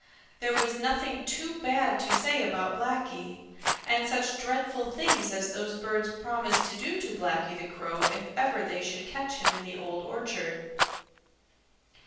There was nothing too bad to say about Blacky. And such dreadful things as those birds promised to do to Blacky the Crow if ever they should catch him in the Old Orchard.